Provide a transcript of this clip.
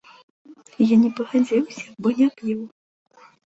Я не пагадзіўся, бо не п'ю.